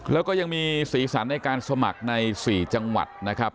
แล้วก็ยังมีสีสันในการสมัครใน๔จังหวัดนะครับ